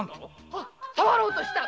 あ触ろうとした！